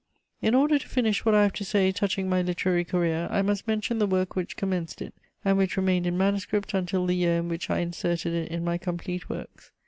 In order to finish what I have to say touching my literary career, I must mention the work which commenced it, and which remained in manuscript until the year in which I inserted it in my Complete Works.